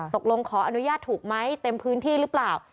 ขออนุญาตถูกไหมเต็มพื้นที่หรือเปล่า